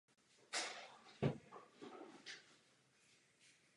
Leží na jihozápadním okraji centra města a je připomínkou již zaniklé židovské komunity.